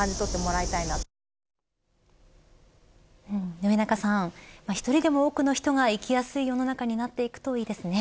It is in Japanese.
上中さん１人でも多くの人が生きやすい世の中になっていくといいですね。